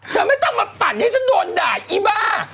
ไม่ต้องมาปั่นให้ฉันโดนด่าอีบ้า